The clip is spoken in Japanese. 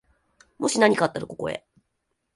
もしなにかあったら、ここへ。